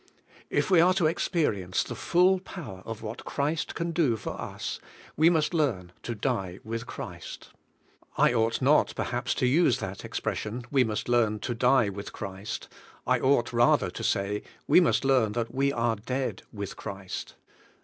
If we are to expe rience the full power of what Christ can do for us, we must learn to die with Christ. I ought not, perhaps, to use that expression, "We must learn to die with Christ;" I ought, rather, to say, "We must learn that we are dead with Christ."